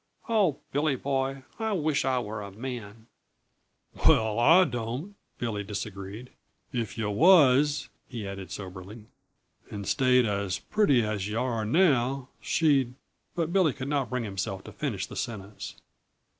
Oh, Billy Boy, I wish I were a man!" "Well, I don't!" Billy disagreed. "If yuh was," he added soberly, "and stayed as pretty as yuh are now, she'd " But Billy could not bring himself to finish the sentence.